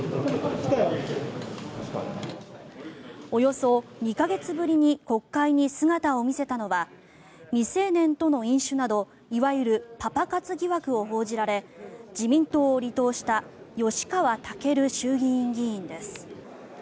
およそ２か月ぶりに国会に姿を見せたのは未成年との飲酒などいわゆるパパ活疑惑を報じられ自民党を離党した吉川赳衆議院議員です。